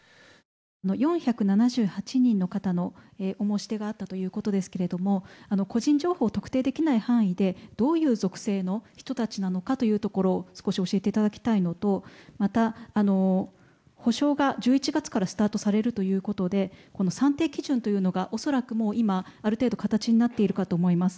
４７８人の方のお申し出があったということですが個人情報を特定できない範囲でどういう属性の人たちなのかというところを少し教えていただきたいのとまた、補償が１１月からスタートされるということで算定基準がおそらく今、ある程度形になっているかと思います。